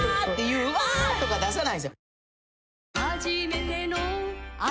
「うわ！」とか出さないんすよ。